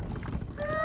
ああ！